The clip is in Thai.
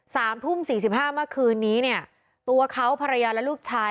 สามทุ่มสี่สิบห้าเมื่อคืนนี้เนี่ยตัวเขาภรรยาและลูกชาย